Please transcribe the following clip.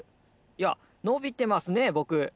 いやのびてますねぼく。